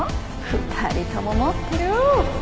２人とも持ってる！